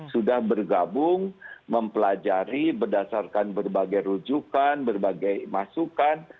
sudah bergabung mempelajari berdasarkan berbagai rujukan berbagai masukan